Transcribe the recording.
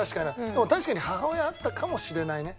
でも確かに母親はあったかもしれないね。